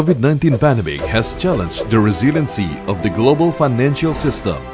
pandemi covid sembilan belas telah mencabar keberanian sistem finansial global